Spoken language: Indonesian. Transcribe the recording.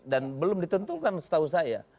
dan belum ditentukan setahu saya